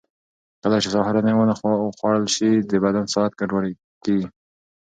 کله چې سهارنۍ ونه خورل شي، د بدن ساعت ګډوډ کېږي.